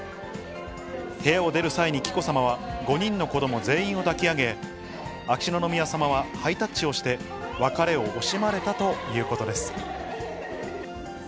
部屋を出る際に紀子さまは５人の子ども全員を抱き上げ、秋篠宮さまはハイタッチをして、別れを惜しまれたということです。